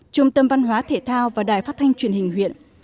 trung tâm văn hóa thể thao và đài phát thanh truyền hình huyện